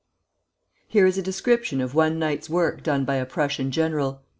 Here is a description of one night's work done by a Prussian general.